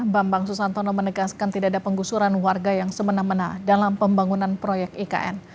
bambang susantono menegaskan tidak ada penggusuran warga yang semena mena dalam pembangunan proyek ikn